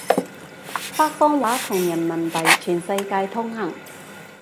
北方話同人民幣全世界通行